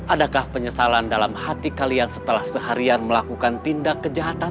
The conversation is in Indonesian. adakah penyesalan dalam hati kalian setelah seharian melakukan tindak kejahatan